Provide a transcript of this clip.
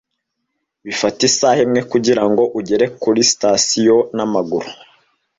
Bifata isaha imwe kugirango ugere kuri sitasiyo n'amaguru.